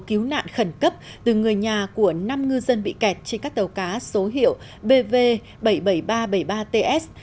cứu nạn khẩn cấp từ người nhà của năm ngư dân bị kẹt trên các tàu cá số hiệu bv bảy mươi bảy nghìn ba trăm bảy mươi ba ts